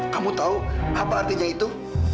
kamu tahu apa artinya itu